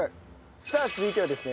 さあ続いてはですね